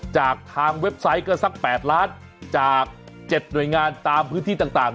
จากทางเว็บไซต์ก็สัก๘ล้านจาก๗หน่วยงานตามพื้นที่ต่าง